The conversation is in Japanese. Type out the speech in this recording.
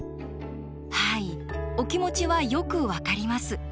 はいお気持ちはよく分かります。